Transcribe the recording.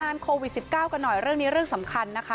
โควิด๑๙กันหน่อยเรื่องนี้เรื่องสำคัญนะคะ